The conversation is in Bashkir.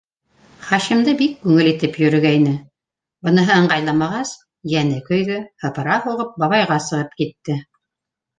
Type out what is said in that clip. Хашимды бик күңел итеп йөрөгәйне, быныһы ыңғайламағас, йәне көйҙө, һыпыра һуғып бабайға сығып китте.